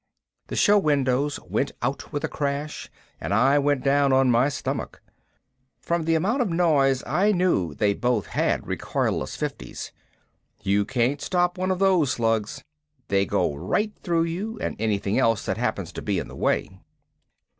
The show windows went out with a crash and I went down on my stomach. From the amount of noise I knew they both had recoilless .50's. You can't stop one of those slugs. They go right through you and anything else that happens to be in the way.